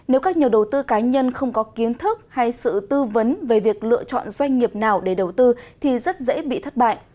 nếu các nhà đầu tư cá nhân không có kiến thức hay sự tư vấn về việc lựa chọn doanh nghiệp nào để đầu tư thì rất dễ bị thất bại